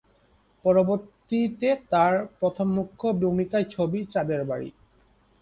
পরবর্তিতে তার প্রথম মুখ্য ভূমিকায় ছবি "চাঁদের বাড়ি"।